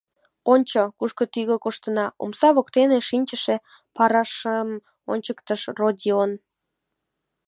Ончо, кушко тӱгӧ коштына, — омса воктене шинчыше парашым ончыктыш Родион.